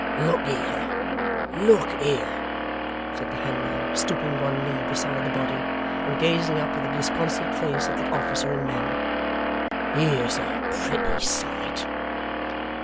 'Look here! Look here!' said the hangman, stooping one knee beside the body, and gazing up with a disconsolate face at the officer and men. 'Here's a pretty sight!